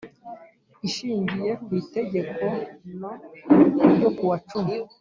Ishingiye ku itegeko n ryo kuwa cumi